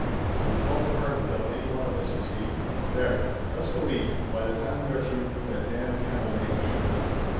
It would fall apart without any one of us, you see. There ! Let's go eat, and by the time we are through, that damn camel may have shown up